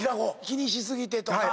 気にし過ぎてとか。